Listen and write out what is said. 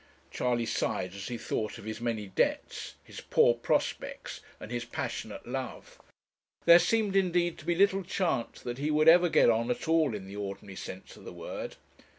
Charley sighed as he thought of his many debts, his poor prospects, and his passionate love. There seemed, indeed, to be little chance that he ever would get on at all in the ordinary sense of the word.